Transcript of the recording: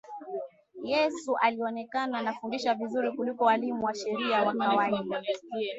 Yesu alionekana anafundisha vizuri kuliko walimu wa sheria wa kawaida